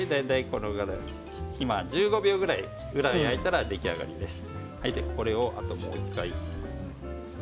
１０秒ぐらい焼いたら出来上がりです。